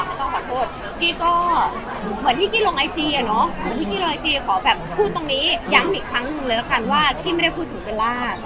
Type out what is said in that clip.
ไม่ต้องขอโทษกี้ก็เหมือนที่กี้ลงไอจีอะเนาะที่กี้ลงไอจีขอแบบพูดตรงนี้ย้ำอีกครั้งเลยละกันว่ากี้ไม่ได้พูดถึงเวลา